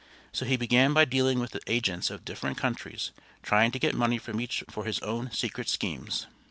So he began by dealing with the agents of different countries, trying to get money from each for his own secret schemes.